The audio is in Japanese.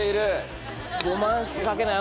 ５万しか賭けない